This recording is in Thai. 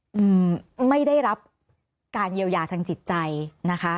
อืมไม่ได้รับการเยียวยาทางจิตใจนะคะ